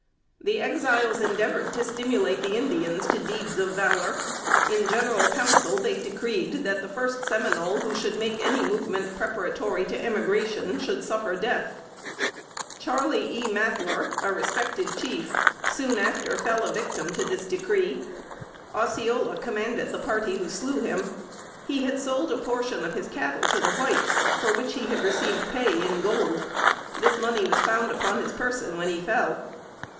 The Exiles endeavored to stimulate the Indians to deeds of valor. In general council, they decreed that the first Seminole who should make any movement preparatory to emigration, should suffer death. Charley E. Mathler, a respected chief, soon after fell a victim to this decree. Osceola commanded the party who slew him. He had sold a portion of his cattle to the whites, for which he had received pay in gold. This money was found upon his person when he fell.